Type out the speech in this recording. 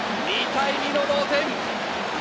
２対２の同点！